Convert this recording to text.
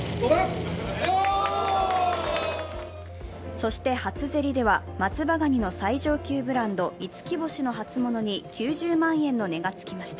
そして初競りでは、松葉がにの最上級ブランド、五輝星の初物に９０万円の値がつきました。